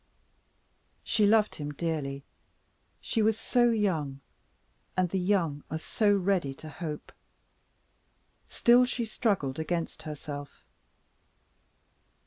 She loved him dearly; she was so young and the young are so ready to hope! Still, she struggled against herself.